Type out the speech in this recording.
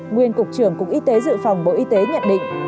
nguyên cục trưởng cục y tế dự phòng bộ y tế nhận định